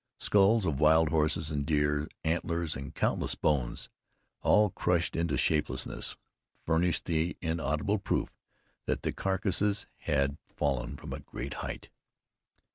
Skulls of wild horses and deer, antlers and countless bones, all crushed into shapelessness, furnished indubitable proof that the carcasses had fallen from a great height.